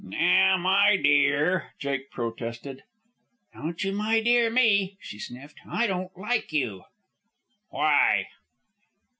"Now, my dear " Jake protested. "Don't you my dear me," she sniffed. "I don't like you." "Why?"